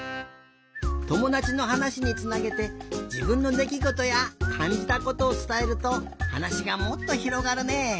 ともだちのはなしにつなげてじぶんのできごとやかんじたことをつたえるとはなしがもっとひろがるね。